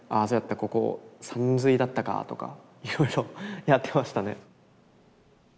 ここさんずいだったか」とかいろいろやってましたね。